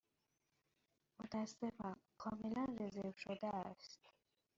متأسفم، کاملا رزرو شده است.